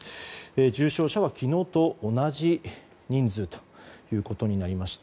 重症者は昨日と同じ人数ということになりました。